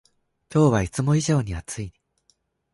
今日はいつも以上に暑い